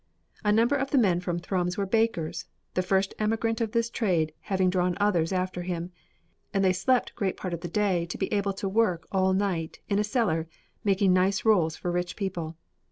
A number of the men from Thrums were bakers, the first emigrant of this trade having drawn others after him, and they slept great part of the day to be able to work all night in a cellar, making nice rolls for rich people.